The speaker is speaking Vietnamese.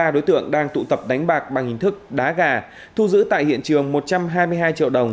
ba đối tượng đang tụ tập đánh bạc bằng hình thức đá gà thu giữ tại hiện trường một trăm hai mươi hai triệu đồng